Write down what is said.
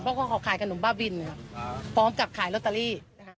เพราะว่าเขาขายขนมบ้าบินพร้อมกับขายโลตารี